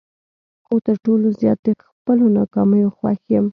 خو تر ټولو زیات د خپلو ناکامیو خوښ یم.